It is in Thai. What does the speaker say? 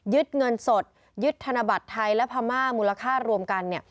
เงินสดยึดธนบัตรไทยและพม่ามูลค่ารวมกัน